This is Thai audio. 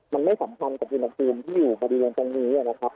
มันไม่สัมภัณฑ์กับอุตจังฟูมิที่อยู่บริเวณทางนี้นี่ครับ